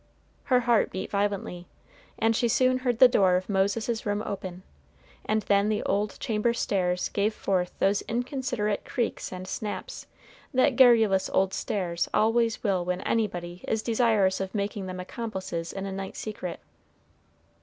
Her heart beat violently, and she soon heard the door of Moses's room open, and then the old chamber stairs gave forth those inconsiderate creaks and snaps that garrulous old stairs always will when anybody is desirous of making them accomplices in a night secret.